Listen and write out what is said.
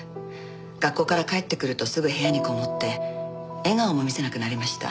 学校から帰ってくるとすぐ部屋にこもって笑顔も見せなくなりました。